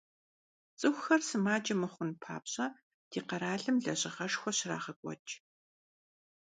ЦӀыхухэр сымаджэ мыхъун папщӀэ, ди къэралым лэжьыгъэшхуэ щрагъэкӀуэкӀ.